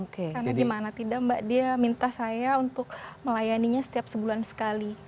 karena gimana tidak mbak dia minta saya untuk melayaninya setiap sebulan sekali